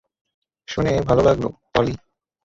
শুনে ভালো লাগল, পলি।